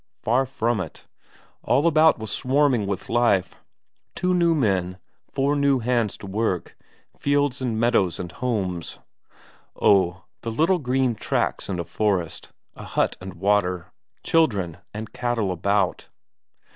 Far from it, all about was swarming with life; two new men, four new hands to work, fields and meadows and homes. Oh, the little green tracts in a forest, a hut and water, children and cattle about.